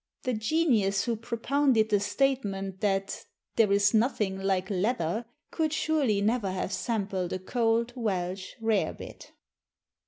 The genius who propounded the statement that "there is nothing like leather" could surely never have sampled a cold Welsh rarebit!